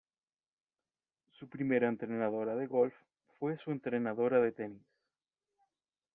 Su primera entrenadora de golf fue su entrenadora de tenis.